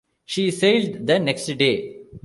She sailed the next day.